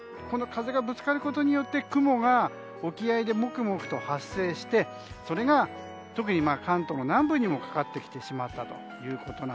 このの風がぶつかることによって雲が沖合でモクモクと発生してそれが特に関東南部にもかかってきてしまったと。